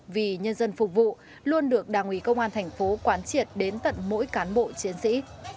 vì nhân dân phục vụ luôn được đảng ủy công an thành phố quán triệt đến tận mỗi cán bộ chiến sĩ